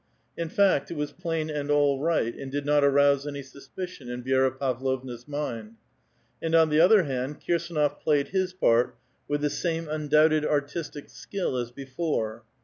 In fact, it was plain and all right, and did not aronsc any suspicion in Vi^ra Pavlovna's mind. And on the other hand, Kirs^nof played his part with the same undoubted artistic skill as before.